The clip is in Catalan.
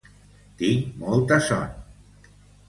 Tinc molta son.